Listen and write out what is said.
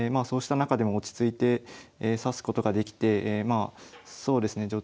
そうした中でも落ち着いて指すことができてまあそうですね